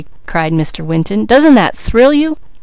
cried Mr. Winton. "Doesn't that thrill you?